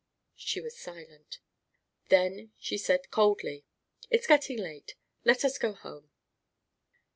She was silent. Then she said, coldly: "It is getting late. Let us go home...."